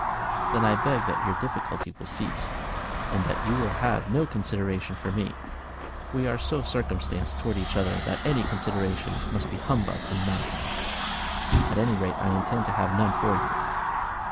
"Then I beg that your difficulty will cease, and that you will have no consideration for me. We are so circumstanced towards each other that any consideration must be humbug and nonsense. At any rate, I intend to have none for you.